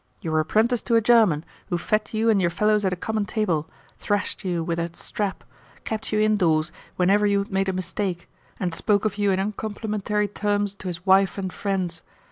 You were apprenticed to a German, who fed you and your fellows at a common table, thrashed you with a strap, kept you indoors whenever you had made a mistake, and spoke of you in uncomplimentary terms to his wife and friends.